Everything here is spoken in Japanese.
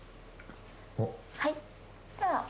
はい。